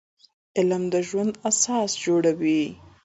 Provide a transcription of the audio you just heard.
علم د ژوند اساس جوړوي